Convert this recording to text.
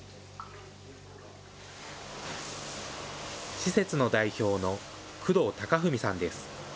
施設の代表の工藤平史さんです。